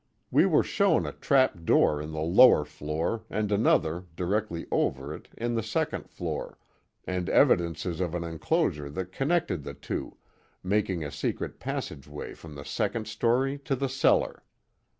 We were shown a trap door in the lower floor and another, directly over it, in the second floor, and evidences of an enclosure that connected the two, making a secret passage way from the second story to the cellar.